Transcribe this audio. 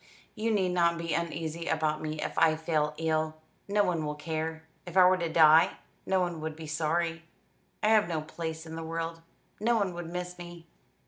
You need not be uneasy about me if I fall ill. No one will care. If I were to die, no one would be sorry. I have no place in the world. No one would miss me."